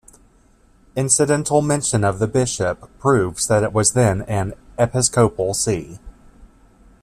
Incidental mention of the bishop proves that it was then an episcopal see.